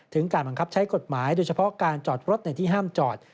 การบังคับใช้กฎหมายโดยเฉพาะการจอดรถในที่ห้ามจอด